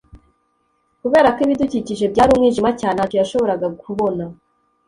kubera ko ibidukikije byari umwijima cyane, ntacyo yashoboraga kubona